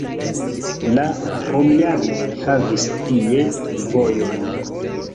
La romianoj havis tie vojon.